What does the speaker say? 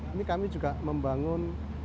ini kami juga membangun